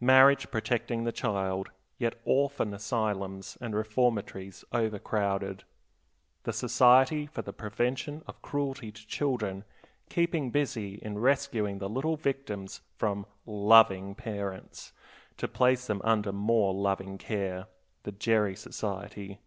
Marriage protecting the child, yet orphan asylums and reformatories overcrowded, the Society for the Prevention of Cruelty to Children keeping busy in rescuing the little victims from "loving" parents, to place them under more loving care, the Gerry Society.